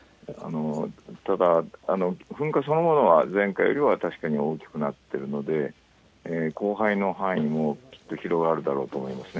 ただ噴火そのものは前回よりは確かに大きくなっているので広範囲に広がると思います。